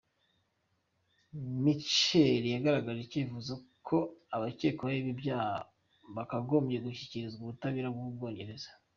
Mitchell yagaragaje icyifuzo ko abakekwaho ibi byaha bakagombye gushyikirizwa ubutabera bw’u Bwongereza.